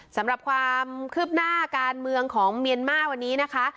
สำหรับความคืบหน้าการเมืองของเมียนมาร์วันนี้นะคะ